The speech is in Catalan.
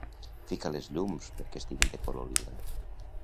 Fica les llums perquè estiguin de color lila.